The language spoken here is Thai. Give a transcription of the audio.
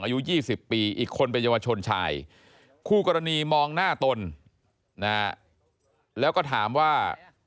อายุ๒๐ปีอีกคนเป็นเยาวชนชายคู่กรณีมองหน้าตนนะฮะแล้วก็ถามว่า